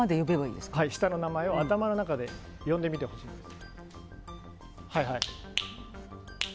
下の名前を頭の中で呼んでみてほしいです。